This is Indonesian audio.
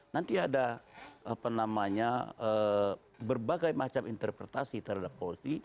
nanti ada berbagai macam interpretasi terhadap polisi